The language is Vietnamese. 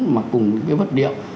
mặc cùng cái vất điệu